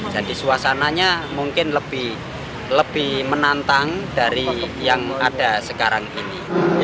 jadi suasananya mungkin lebih menantang dari yang ada sekarang ini